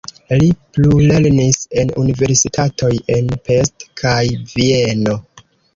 Li plulernis en universitatoj en Pest kaj Vieno.